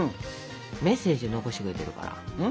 メッセージ残してくれてるから。